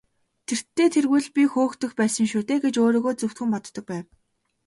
Тэртэй тэргүй л би хөөгдөх байсан шүү дээ гэж өөрийгөө зөвтгөн боддог байв.